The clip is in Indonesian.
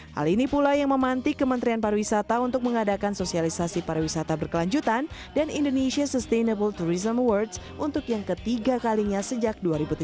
hal ini pula yang memantik kementerian pariwisata untuk mengadakan sosialisasi pariwisata berkelanjutan dan indonesia sustainable tourism awards untuk yang ketiga kalinya sejak dua ribu tujuh belas